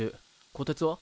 こてつは？